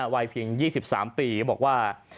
วัยเพียง๒๓ปีก็บอกว่า